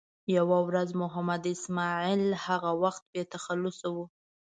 یوه ورځ محمد اسماعیل هغه وخت بې تخلصه و.